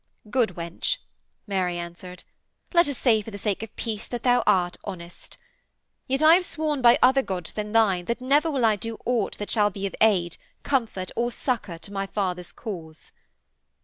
'Good wench,' Mary answered, 'let us say for the sake of peace that thou art honest.... Yet I have sworn by other gods than thine that never will I do aught that shall be of aid, comfort or succour to my father's cause.'